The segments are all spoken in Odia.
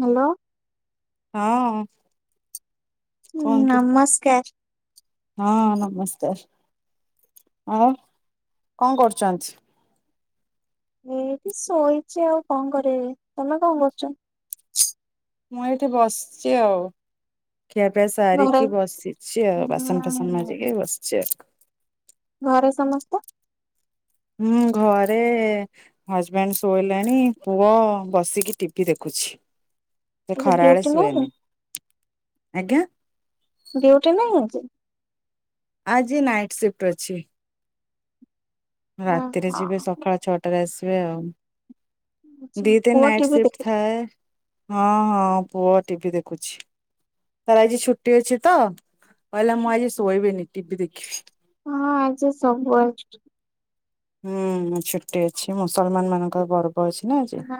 ହ୍ୟାଲୋ ହଁ ହୁଁ କୁହନ୍ତୁ ନମସ୍କାର। ହଁ ନମସ୍କାର ଆଉ କଣ କରୁଛନ୍ତି? ଏଇଠି ଶୋଇଛି ଆଉ କଣ କରିବି ତମେ କଣ କରୁଛ? ମୁଁ ଏଇଠି ବସିଛି ଆଉ। ଖିଆପିଆ ଘରେ ସାରିକି ବସିଛି ଆଉ ବାସନ ଫାସନ ହୁଁ ମାଜିକି ବସିଛି ଆଉ। ଘରେ ସମସ୍ତ ହୁଁ ଘରେ ହଜବେଣ୍ଡ ଶୋଇଲାଣି ପୁଅ ବସିକି ଟିଭିି ଦେଖୁଛି। ସେ ଆଜି ଖରାବେଳେ ଡ୍ୟୁଟି ନାଇଁ ଶୁଏନି ଆଜ୍ଞା ଡ୍ୟୁଟି ନାହିଁ ଆଜି? ଆଜି ନାଇଟ୍ ସିଫ୍ଟ ଅଛି। ହଁ ରାତିରେ ହଁ ଯିବେ ସକାଳ ଛଅଟାରେ ଆସିବେ ଆଉ। ଦି ଟା ପୁଅ ନାଇଟ୍ ଟିଭି ସିଫ୍ଟ ଦେଖୁଛି। ଥାଏ ହଁ ହଁ ପୁଅ ଟିଭି ଦେଖୁଛି। ତାର ଆଜି ଛୁଟି ଅଛି ତ କହିଲା ମୁଁ ଆଜି ଶୋଇବିନି ଟିଭି ଦେଖି ହଁ ଆଜି ସବୁ ଆଡ଼େ ଛୁଟି। ହୁଁ ଛୁଟି ଅଛି ମୁସଲମାନ ମାନଙ୍କର ପର୍ବ ଅଛି ନା ଆଜି। ହଁ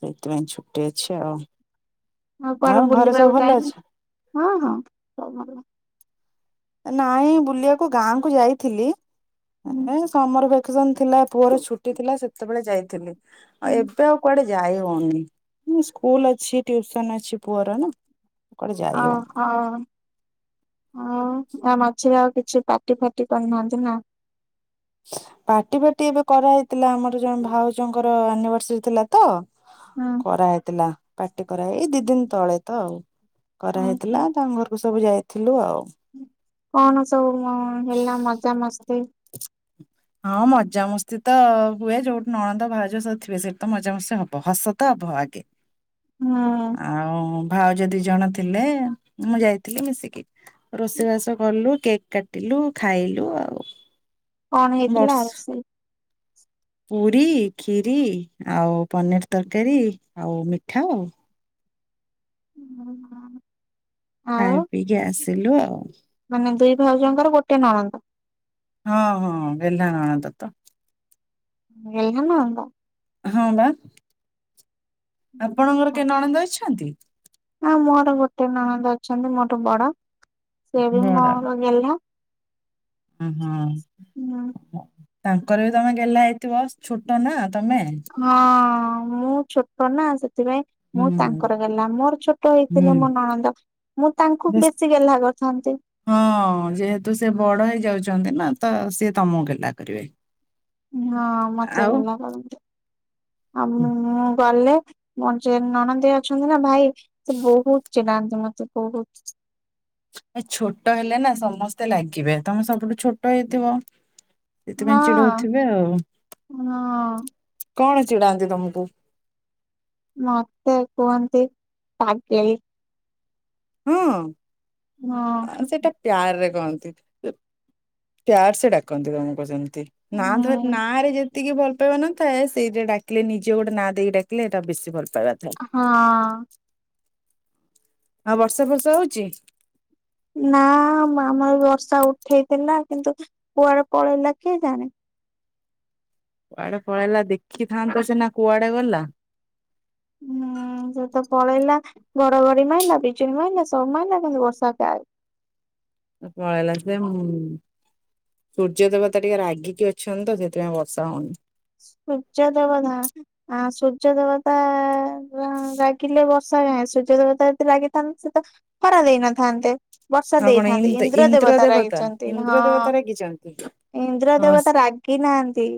ସେଇଥିପାଇଁ ଛୁଟି ଅଛି ଆଉ। ଆଉ କୁଆଡେ ଘରେ ସବୁ ବୁଲିବାକୁ ଭଲ ଯାଇନ ଅଛି? ହଁ ହଁ ସବୁ ଭଲ। ନାଇଁ ବୁଲିବାକୁ ଗାଁକୁ ଯାଇଥିଲି ହୁଁ ଏ ସମର ଭେକେସନ ଥିଲା ପୁଅର ଛୁଟି ଥିଲା ସେତେବେଳେ ଯାଇଥିଲି। ଆଉ ହୁଁ ଏବେ ଆଉ କୁଆଡେ ଯାଇ ହଉନି ସ୍କୁଲ ଅଛି ଟ୍ୟୁସନ ଅଛି ପୁଅର ନା। କୁଆଡେ ଯାଇ ଓ ହଉନି। ହୋ। ହଁ ଆ ମଝିରେ ଆଉ କିଛି ପାଟି ଫାଟି କରିନାହାନ୍ତି ନା? ପାର୍ଟି ଫାଟି ଏବେ କରାହେଇଥିଲା ଆମର ଜଣେ ଭାଉଜଙ୍କର ଆନିଭର୍ସରୀ ଥିଲା ତ। ହଁ। କରାହେଇଥିଲା ପାର୍ଟି କରାହେଇ ଦି ଦିନ ତଳେ ତ ଆଉ ହଁ କରାହେଇଥିଲା ତାଙ୍କ ଘରକୁ ସବୁ ଯାଇ ଥିଲୁ ଆଉ। କଣ ସବୁ ଅ-ଅ ହେଲା ମଜା ମସ୍ତି। ହଁ ମଜାମସ୍ତି ତ ହୁଏ ଯୋଉଠି ନଣନ୍ଦ ଭାଉଜ ସବୁ ଥିବେ ସେଇଠି ତ ମଜାମସ୍ତି ହବ ହସ ତ ହବ ଆଗେ। ହୁଁ ଆଉ ଭାଉଜ ଦୁଇଜଣ ଥିଲେ ମୁଁ ଯାଇଥିଲି ମିଶିକି ରୋଷେଇବାସ କଲୁ କେକ୍ କାଟିଲୁ ଖାଇଲୁ ଆଉ। କଣ ବର୍ଷ ହେଇଥିଲା ରୁଷେଇ? ପୁରୀ, କ୍ଷୀରି, ଆଉ ପନିର ତରକାରୀ, ଆଉ ମିଠା ଆଉ। ହୁଁ ହ। ଖାଇ ପିଇକି ଆସିଲୁ ଆଉ। ମାନେ ଦୁଇ ଭାଉଜଣଙ୍କର ଗୋଟେ ନଣନ୍ଦ। ହଁ ହଁ ଗେହ୍ଲା ନଣନ୍ଦ ତ। ଗେହ୍ଲା ନଣନ୍ଦ। ହଁ ବା ଆପଣଙ୍କର କେହି ନଣନ୍ଦ ଅଛନ୍ତି? ଆଉ ମୋର ଗୋଟେ ନଣନ୍ଦ ଅଛନ୍ତି ମୋର ବଡ ସେ ବି ମୋର ଗେଲ୍ହା। ହୁଁ ହୁଁ। ତାଙ୍କର ବି ତମେ ଗେହ୍ଲା ହେଇଥିବ ଛୋଟ ନା ତମେ? ହଁ-ଅ-ଅ-ଅ ମୁଁ ଛୋଟ ନା ସେଥିପାଇଁ ମୁଁ ହୁଁ ତାଙ୍କର ଗେହ୍ଲା ମୋର ଛୋଟ ହେଇଥିଲେ ହୁଁ ମୋ ନଣନ୍ଦ ମୁଁ ତାଙ୍କୁ ବେଶୀ ଗେହ୍ଲା କରିଥାନ୍ତି। ହଁ-ଅ-ଅ ଯେହେତୁ ସେ ବଡ ହେଇ ଯାଉଛନ୍ତି ନା ତ ସିଏ ତମକୁ ଗେହ୍ଲା କରିବେ। ହଁ ମତେ ଆଉ ଗେଲ କରନ୍ତି। ଆଉ ମୁଁ ଗଲେ ମୋର ଯେ ନଣନ୍ଦେଇ ଅଛନ୍ତି ନା ଭାଇ ସେ ବହୁତ ଚିଡ଼ାନ୍ତି ମତେ ବହୁତ। ଏ ଛୋଟ ହେଲେ ନା ସମସ୍ତେ ଲାଗିବେ ତମେ ସବୁଠୁ ଛୋଟ ହେଇଥିବ। ସେଥିପାଇଁ ହଁ। ଚିଡଉଥିବେ ଆଉ। ହଁ କଣ ଚିଡାନ୍ତି ତମକୁ? ମୋତେ କୁହନ୍ତି ପାଗେଳି। ହଁ ଆ ହଁ ସେଇଟା ପ୍ୟାରରେ କହନ୍ତି। ପ୍ୟାର ସେ ଡାକନ୍ତି ତମକୁ ସେମିତି। ତି ନା ଧ ହୁଁ ନାଁରେ ଯେତିକି ଭଲ ଭଲ ପାଇବା ନଥାଏ ସେଇଟା ଡାକିଲେ ନିଜେ ଗୋଟେ ନାଁ ଦେଇକି ଡାକିଲେ ଏଟା ବେଶୀ ଭଲ ପାଇବା ଥାଏ। ହଁ। ଆଉ ବର୍ଷା ଫର୍ଷା ହଉଛି? ନା ଆମର ବର୍ଷା ଉଠେଇଥିଲା କିନ୍ତୁ କୁଆଡେ ପଳେଇଲା କିଏ ଜାଣେ? କୁଆଡେ ପଳେଇଲା ଦେଖିଥାନ୍ତ ସିନା କୁଆଡେ ଗଲା। ହୁଁ ସେତ ପଳେଇଲା ଘଡ ଘଡି ମାଇଲା ବିଜୁଳି ମାଇଲା ସବୁ ମାଇଲା କିନ୍ତୁ ବର୍ଷା ଗାଏବ। ପଳେଇଲା ସେ-ଏ-ଏମ୍। ସୂର୍ଯ୍ୟ ଦେବତା ଟିକେ ରାଗିକି ଅଛନ୍ତି ତ ସେଥିପାଇଁ ବର୍ଷା ହଉନି। ସୂର୍ଯ୍ୟ ଦେବତା ଆ ସୂର୍ଯ୍ୟ ଦେବତା-ଆ-ଆ-ଆ ରାଗିଲେ ବ ର୍ଷା ନାଇ ସୂର୍ଯ୍ୟଦେବତା ଯଦି ରହିଥାନ୍ତେ ସେ ତ ଖରା ଦେଇନଥାନ୍ତେ। ବର୍ଷା ଆଉ କଣ ଦେଇଥାନ୍ତି ଇନ୍ଦ ଇନ୍ଦ୍ର ଦେବତା ରାଗିଛନ୍ତି ଇନ୍ଦ୍ର ହଁ। ଦେବତା ରାଗିଛନ୍ତି ଇନ୍ଦ୍ର ହଁ ଦେବତା ରାଗିନାହାନ୍ତି।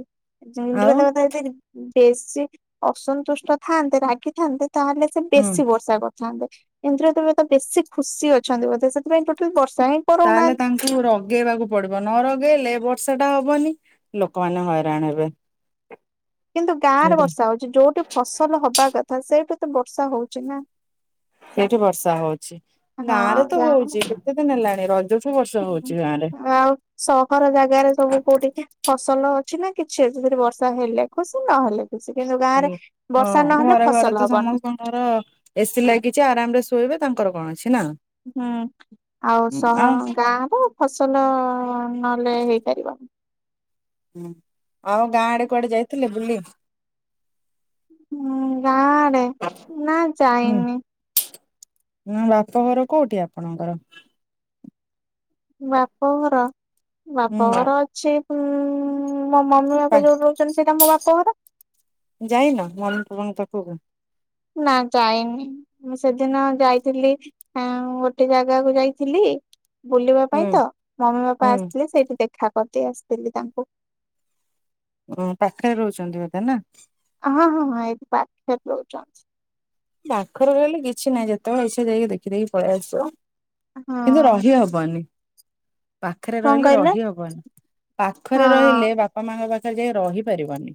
ଜିନ୍ଦ୍ର ଆଉ ଦେବତା ଯଦି ବେଶୀ ଅସନ୍ତୁଷ୍ଟ ଥାନ୍ତେ ରାଗିଥାନ୍ତେ ତାହେଲେ ସେ ହୁଁ ବେଶୀ ବର୍ଷା କରିଥାନ୍ତେ। ଇନ୍ଦ୍ର ଦେବତା ବେଶୀ ଖୁସି ଅଛନ୍ତି ବୋଧେ ସେଥିପାଇଁ ଟୋଟାଲ ବର୍ଷା ହଁ ତାହେଲେ ତାଙ୍କୁ ରଗେଇବାକୁ ପଡିବ ନରଗେଇଲେ ବର୍ଷାଟା ହବନି। ଲୋକମାନେ ହଇରାଣ ହେବେ। କିନ୍ତୁ ଗାଁରେ ବର୍ଷା ହଉଛି ଯୋଉଠି ଫସଲ ହବା କଥା ସେଇଠି ତ ବର୍ଷା ହଉଛି ନା। ସେଇଠି ବର୍ଷା ହଉଛି। ହଁ ଗାଁରେ ତ ହଉଛି କେତେ ଦିନି ହେଲାଣି ର ହୁଁ ଆଉ ସହର ଜାଗାରେ ସବୁ କୋଉଠିି ଫସଲ ଅଛି ନା କିଛି ଅଛି ସେଠି ବର୍ଷା ହେଲେ ଖୁସି ନହେଲେ ଖୁସି କିନ୍ତୁ ଗାଁରେ ବର୍ଷା ନହେଲେ ଫସଲ ହବନି। ଙ୍କର ଏସି ଲାଗିଛି ଆରାମରେ ଶୋଇବେ ତାଙ୍କର କଣ ଅଛି ନା? ହୁଁ ଆଉ ସହ ଗାଁ ର ଫସଲ ନହେଲେ ହେଇପାରିବନି। ଆଉ ଗାଁ ଆଡେ କୁଆଡେ ଯାଇଥିଲେ ବୁଲି? ହୁଁ ଗାଁ ଆଡେ ନା ଯାଇନି। ଉଁ ବାପଘର କୋଉଠି ଆପଣଙ୍କର? ବାପଘର ହୁଁ ବାପଘର ଅଛି ଉଁ ମୋ ମମି ପା ବାପା ଯୋଉର ଛନ୍ତି ସେଇଟା ମୋ ବାପଘର। ଯାଇନ ମମି ବାବାଙ୍କ ପାଖକୁ? ନା ଯାଇନି। ମୁଁ ସେଦିନ ଯାଇଥିଲି ଆଁ ଗୋଟେ ଜାଗାକୁ ଯାଇଥିଲି। ବୁଲିବା ପାଇଁ ତ ହୁଁ ମମି ବାପା ହୁଁ ଆସିଥିଲେ ସେଇଠି ଦେଖା କରିଦେଇ ଆସିଥିଲି ତାଙ୍କୁ। ଓ ପାଖରେ ରହୁଛନ୍ତି ବୋଧେ ନା? ହଁ ହଁ ହଁ ଏଇଠି ପାଖରେ ରହୁଛନ୍ତି। ପାଖରେ ରହିଲେ କିଛି ନାଇଁ ଯେତେବେଳେ ଇଛା ଯାଇକି ଦେଖି ଦେଇକି ପଳେଇ ଆସିବ, ହଁ କିନ୍ତୁ ରହିହ ବନି ପାଖରେ କଣ ରହିଲେ କହିଲେ ରହିହବନି। ପାଖରେ ହଁ। ରହିଲେ ବା ବାପା ମାଙ୍କ ପାଖରେ ଯାଇ ରହିପାରିବନି।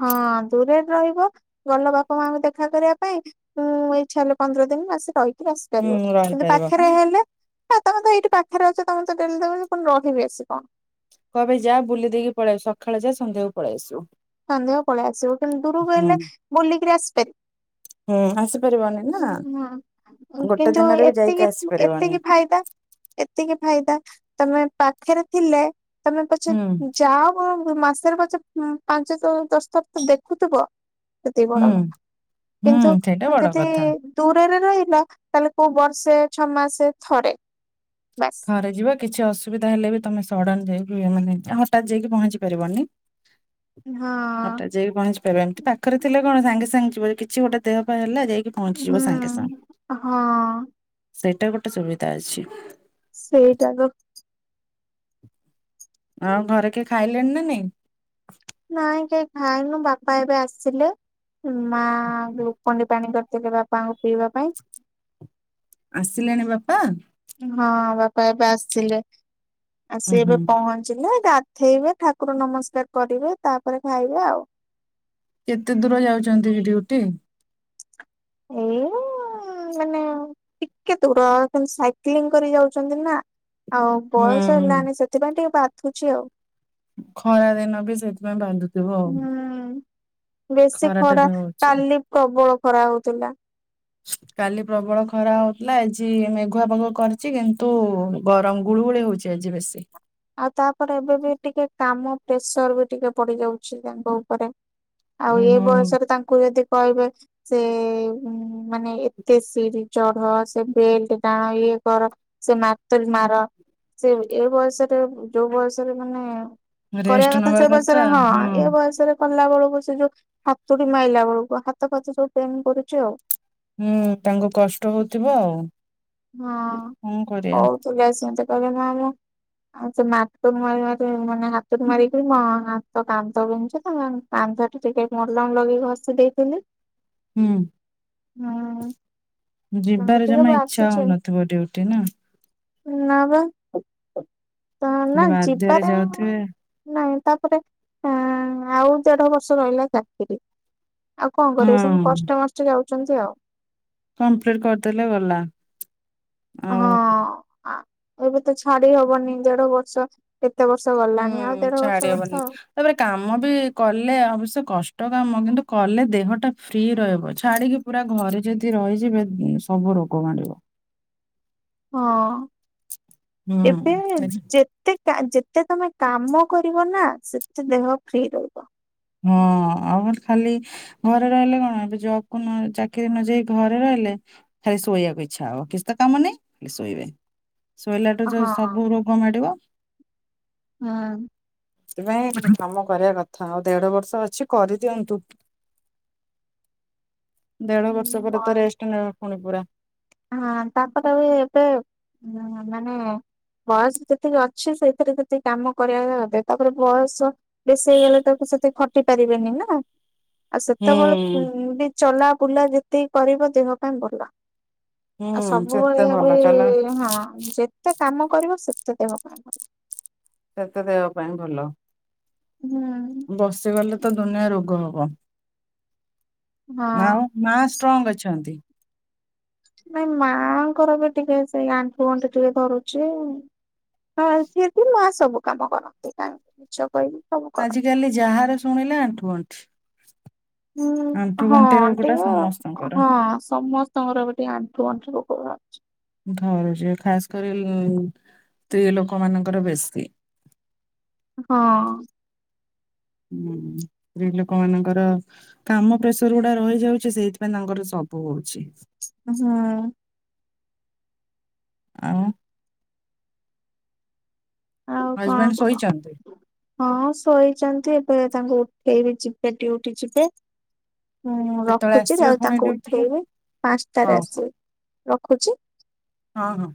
ହଁ ଦୂରରେ ରହିବ ଗଲ ବାପା ମାଙ୍କୁ ଦେଖା କରିବା ପାଇଁ। ଉଁ ଇଚ୍ଛା ହେଲେ ପନ୍ଦର ଦିନି ମାସେ ରହି କିରି ହୁଁ ଆସିପାରିବ କିନ୍ତୁ ରହିପାରିବ ପାଖରେ ହେଲେ ହଁ ତମେ ତ ଏଇଠି ପାଖରେ ଅଛ। ତମେ ତ ଡେଲି ଦେଖୁଛି ପୁଣି ରହିିବି ଆସି କଣ। କହିବେ ଯା ବୁଲି ଦେଇକି ପଳେଇ ଆସୁ ସକାଳେ ଯା ସନ୍ଧ୍ୟାକୁ ପଳେଇ ଆସୁବୁ। ସନ୍ଧ୍ୟାକୁ ପଳେଇ ଆସିବୁ। କିନ୍ତୁ ଦୂରକୁ ହେଲେ ବୁଲିକିରି ଆସିପାରିବୁ। ହୁଁ ଆସିପାରିବନି ନା ଉଁ ହୁଁ ଗୋଟେ କିନ୍ତୁ ଦିନରେ ବି ଯାଇକି ଏତିକି ଆସିପାରିବନି। ଏତିକି ଫାଇଦା ଏତିକି ଫାଇଦା ତମେ ପାଖରେ ଥିଲେ ତମେ ପଛେ ହୁଁ ଯାଅ [unintelligible] ମାସରେ ପଛେ ପାଞ୍ଚ ଦଶଥର ତ ଦେଖୁଥିବ। ସେତିକି ହୁଁ ବଡ କଥା ହୁଁ କିନ୍ତୁ ସେଇଟା ବଡ ଯଦି କଥା। ଦୂରରେ ରହିଲ ତାହେଲେ କୋଉ ବର୍ଷେ ଛଅ ମାସେ ଥରେ ବାସ ଘରେ ଯିବ କିଛି ଅସୁବିଧା ହେଲେ ବି ତମେ ସଡ଼ନ ଯାଇକି ମାନେ ହଠାତ୍ ଯାଇକି ପହଞ୍ଚି ପାରିବନି। ହଁ। ହଠାତ୍ ଯାଇକି ପହଞ୍ଚିପାରିବନି ଏମିତି ପାଖରେ ଥିଲେ କଣ ସାଙ୍ଗେ ସାଙ୍ଗେ ଯିବ କିଛି ଗୋଟେ ଦେହ ପା ହେଲା ଯାଇକି ପହଞ୍ଚିଯିବ ହୁଁ ସାଙ୍ଗେ ସାଙ୍ଗେ। ହଁ। ସେଇଟା ଗୋଟେ ସୁବିଧା ଅଛି। ସେଇଟା ତ। ଆଉ ଘରେ କିଏ ଖାଇଲେଣି ନା ନେଇଁ? ନାଇଁ କେଇ ଖାଇନୁ ବାପା ଏବେ ଆସିଲେ ମା ଗ୍ଲୁକୋଣ୍ଡି ପାଣି କରିଥିଲେ ବାପାଙ୍କୁ ପିଇବା ପାଇଁ। ଆସିଲେଣି ବାପା? ହଁ ବାପା ଏବେ ଆସିଲେ, ଉୁଁ ଆସି ଏବେ ହୁଁ ପହଁ ଞ୍ଚିଲେ ଗାଧେଇବେ ଠାକୁର ନମସ୍କାର କରିବେ ତାପରେ ଖାଇବେ ଆଉ କେତେ ଦୂର ଯାଉଛନ୍ତି କି ଡିଉଟି? ଏଇ ମାନେ ଟିକେ ଦୂର କିନ୍ତୁ ସାଇକ୍ଲିଂ କରି ଯାଉଛନ୍ତି ନା। ଆଉ ହୁଁ ବୟସ ହୁଁ। ହେଲାନି ସେଥିପାଇଁ ଟିକେ ବାଧୁଛି ଆଉ। ଖରା ଦିନ ବି ସେଇଥିପାଇଁ ବାଧୁ ଥିବ ଆଉ ହୁଁ। ବେଶୀ ଖରାଟା ଖରା ବି ହୋଉଛି। କାଲି ପ୍ରବଳ ଖରା ହଉଥିଲା। କାଲି ପ୍ରବଳ ଖରା ହଉଥିଲା, ଆଜି ଏ ମେଘୁଆ ପାଗ କରିଛି କିନ୍ତୁ ଗରମ ଗୁଳୁଗୁଳି ହଉଛି। ତେଜ୍ ବେଶୀ। ଆଉ ତାପରେ ଏବେ ବି ଟିକେ କାମ ପ୍ରେସର ବି ଟିକେ ପଡ଼ି ଯାଉଛି ତାଙ୍କ ଉପରେ। ଆଉ ଉଁ ଏ ହୁଁ ବୟସରେ ତାଙ୍କୁ ଯଦି କହିବେ ସେ ମାନେ ଏତେ ସିରି ଚୂଢ ସେ ବେଲ୍ଟ ଟାଣ ଇଏ କର। ସେ ମାର୍ତୁଲ ମାର ସେ ଏ ବୟସରେ ଯୋଉ ବୟସରେ ମାନେ କରିବା କଥା ସେ ବୟସରେ ହଁ ଏ ବୟସରେ କଲା ବେଳକୁ ସେ ଯୋଉ ହାତୁଡ଼ି ମାଇଲା ବେଳକୁ ହାତ ଫାତ ସବୁ ପେନ୍ କରୁଛି ଆଉ। ହୁଁ ତାଙ୍କୁ କଷ୍ଟ ହୋଉଥିବ ଆଉ। ହଁ କଣ କରିବା ହଉ ତୁ ଯାଆ [unintelligible] ଆଉ ସେ ମାର୍ତୁଲ ମାରି ମାରି ମାନେ ହାତୁଡ଼ି ମାରିକି ମୋ ହାତ କାନ୍ଧ ବିନ୍ଧୁଛି [unintelligible] କାନ୍ଧଠି ଟିକେ ମଲମ୍ ଲଗେଇ ଘଷି ଦେଇଥିଲି। ହୁଁ ହୁଁ। ଯିବାରେ ଟିକେ ଜମା ଇଛା ବାଛୁଛି ହୋଉନଥିବ ଡ୍ୟୁଟି ନା। ନା ବା ତ ନା ହେଲେ ବାଧ୍ୟରେ ଯିବାରେ ଯାଉଥିବେ [unintelligible] ନାଇଁ ତାପରେ ଅଁ ଆଉ ଦେଢ଼ ବର୍ଷ ରହିଲା ଚାକିରି। ଆଉ କଣ କରିବେ ସେମତି ହଁ କଷ୍ଟେ ମଷ୍ଟେ ଯାଉଛନ୍ତି ଆଉ। କମ୍ପ୍ଲିଟ୍ କରିଦେଲେ ଗଲା। ଆଉ ହଁ ଆ ଏବେ ତ ଛାଡ଼ି ହବନି ଦେଢ଼ ବର୍ଷ କେ ତେ ବର୍ଷ ହୁଁ ଗଲାଣି ଆଉ ଦେଢ଼ ଛାଡି ବର୍ଷ ହବନି କଥା ଆଉ। ତାପରେ କାମ ବି କଲେ ଅବଶ୍ୟ କଷ୍ଟ କାମ, କିନ୍ତୁ କଲେ ଦେହଟା ଫ୍ରି ରହିବ ଛାଡ଼ିକି ପୁରା ଘରେ ଯଦି ରହିଯିବେ ଗୁଁ ସବୁ ରୋଗ ମାଡ଼ିବ। ହଁ ଏବେ ହୁଁ ଯେ ତେ କା ଯେତେ ତମେ କାମ କରିବ ନା ସେତେ ଦେହ ଫ୍ରି ରହିବ। ହଁ ଆଉ ନହେଲେ ଖାଲି ଘରେ ରହିଲେ କଣ ଏବେ ଜବ୍ କୁ ନ ଚାକିରି ନ ଯାଇ ଘରେ ରହିଲେ। ଖାଲି ଶୋଇବାକୁ ଇଚ୍ଛା ହବ କିଛି ତ କାମ ନାଇଁ ଖାଲି ଶୋଇବେ। ଶୋଇଲାଠୁ ଯୋଉ ହଁ ସବୁ ରୋଗ ମାଡ଼ିବ। ହଁ। କି ନାଇଁ କରିବା କଥା ଆଉ ଦେଢ଼ବର୍ଷ ଅଛି କରିଦିଅନ୍ତୁ। ଦେଢ଼ ବର୍ଷ ପରେ ତ ରେଷ୍ଟ ନେବା ପୁଣି ପୁରା। ହଁ ତାପରେ ବି ଏବେ [unintelligible] ମାନେ ବୟସ ଯେତିକି ଅଛି ସେଇଥିରେ ଯେତିକି କାମ କରିବା [unintelligible] ତାପରେ ବୟସ ବେଶୀ ହେଇଗଲେ [unintelligible] ସେତେ ଖଟି ପାରିବେନି ନା। ଆଉ ହୁଁ। ସେତେବେଳେ ଉଁ ବି ଚଲା ବୁଲା ଯେତିକି କରିବ ଦେହ ପାଇଁ ଭଲ। ହୁଁ ଆଉ ସେତେ ଭଲ ସବୁବେଳେ ଚଲା [unintelligible] ହଁ ଯେତେ କାମ କରିବ ସେତେ ଦେହ ପା ଭଲ୍ ସେତେ ଦେହ ପାଇଁ ଭଲ। ହୁଁ। ବସିଗଲେ ତ ଦୁନିଆ ରୋଗ ହବ ହଁ ନା ଆଉ ମା ସ୍ ଷ୍ଟ୍ରଙ୍ଗ ଅଛନ୍ତି? ନାଇଁ ମାଆଙ୍କର ବି ଟିକେ ସେଇ ଆଣ୍ଠୁ ଗଣ୍ଠି ଟିକେ ଧରୁଛି। ହଁ କୀନ୍ତୁ ମା ସବୁ କାମ କରନ୍ତି କାହିଁକି ମିଛ କହିବି [unintelligible] ଆଜି କାଲି ଯାହାର ଶୁଣିଲେ ଆଣ୍ଠୁ ଗଣ୍ଠି। ଆଣ୍ଠୁ ଉଁ ହଁ ଗଣ୍ଠି ରୋଗ ଟା ଟିକେ ସମସ୍ତଙ୍କର। ହଁ ସମସ୍ତଙ୍କର ବି ଟିକେ ଆଣ୍ଠୁ ଆଣ୍ଠୁ ରୋଗ ବାହାରୁଛି। ଧରୁଛି ଖାସ କରି ସ୍ତ୍ରୀ ଲୋକ ମାନଙ୍କର ବେଶୀ। ହଁ। ହୁଁ ସ୍ତ୍ରୀ ଲୋକ ମାନଙ୍କର କାମ ପ୍ରେସର ଗୁଡା ରହିଯାଉଛି ସେଇଥିପାଇଁ ତାଙ୍କର ସବୁ ହଉଛି। ହୁଁ। ଆଉ ଆଉ କଣ ହଜବେଣ୍ଡ କୁହ। ଶୋଇଛନ୍ତି ହଁ ଶୋଇଛନ୍ତି ଏବେ ତାଙ୍କୁ ଉଠେଇବି ଯିବେ ଡ୍ୟୁଟି ଯିବେ। ହଁ କେତେବେଳେ ରଖୁଛି ଆସିବେ ଆଉ ପୁଣି ତାଙ୍କୁ ଡ୍ୟୁଟିରୁ ଉଠେଇବି ପାଞ୍ଚଟାରେ ହଉ ହଉ ଆସିବେ ରଖୁଛି। ହଁ ହଁ।